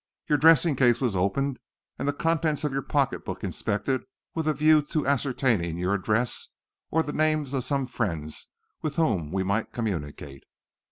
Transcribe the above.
Your dressing case was opened and the contents of your pocket book inspected with a view to ascertaining your address, or the names of some friends with whom we might communicate."